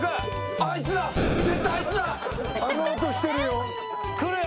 あの音してるよ。来るよ。